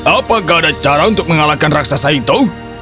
apakah ada cara untuk mengalahkan raksasa itu